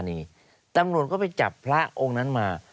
องค์นี้แต่มงนุญก็ไปจับพระองค์นั้นมา